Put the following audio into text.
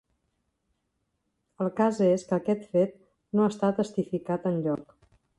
El cas és que aquest fet no està testificat enlloc.